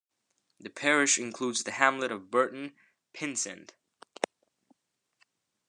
The parish includes the hamlet of Burton Pynsent.